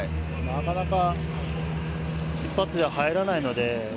なかなか１発では入らないので。